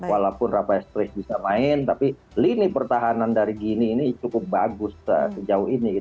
walaupun rapai sprace bisa main tapi lini pertahanan dari gini ini cukup bagus sejauh ini